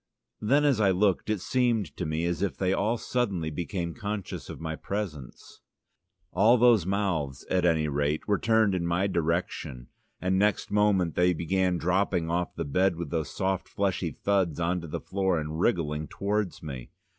Then, as I looked, it seemed to me as if they all suddenly became conscious of my presence. All the mouths, at any rate, were turned in my direction, and next moment they began dropping off the bed with those soft fleshy thuds on to the floor, and wriggling towards me.